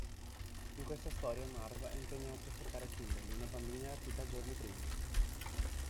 In questa storia Marv è impegnato a cercare Kimberly, una bambina rapita giorni prima.